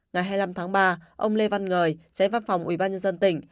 ngày hai mươi năm tháng ba ông lê văn ngời tránh văn phòng ubnd tỉnh